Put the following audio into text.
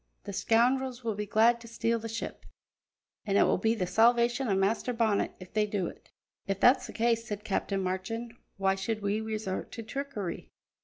The scoundrels will be glad to steal the ship, an' it will be the salvation o' Master Bonnet if they do it." "If that's the case," said Captain Marchand, "why should we resort to trickery?